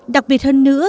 đặc biệt hơn nữa